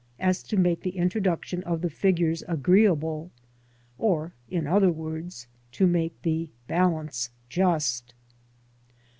as to make the introduction of the figures agreeable, or in other words, to make the balance just.